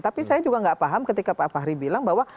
tapi saya juga nggak paham ketika pak fahri bilang bahwa